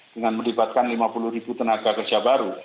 dengan melibatkan rp lima puluh tenaga kerja baru